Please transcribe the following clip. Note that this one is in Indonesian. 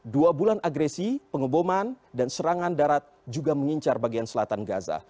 dua bulan agresi pengeboman dan serangan darat juga mengincar bagian selatan gaza